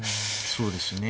そうですね。